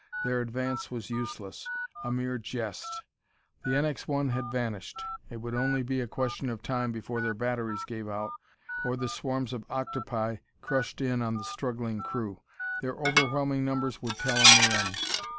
Their advance was useless; a mere jest. The NX 1 had vanished. It would only be a question of time before their batteries gave out, or the swarms of octopi crushed in on the struggling crew. Their overwhelming numbers would tell in the end....